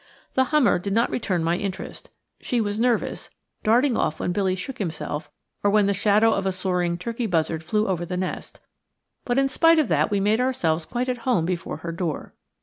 The hummer did not return my interest. She was nervous, darting off when Billy shook himself or when the shadow of a soaring turkey buzzard fell over the nest; but in spite of that we made ourselves quite at home before her door.